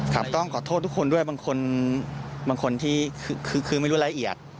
ครับต้องขอโทษทุกคนด้วยบางคนที่คือไม่รู้ละเอียด